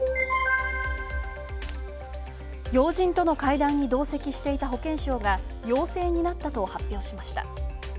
要人との会談に同席していた保健相が陽性になったと発表しました。